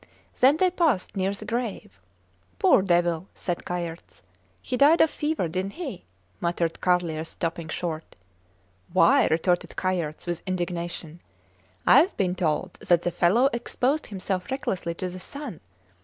Then they passed near the grave. Poor devil! said Kayerts. He died of fever, didnt he? muttered Carlier, stopping short. Why, retorted Kayerts, with indignation, Ive been told that the fellow exposed himself recklessly to the sun.